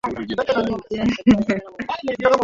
pia ni hifadhi ya Taifa pekee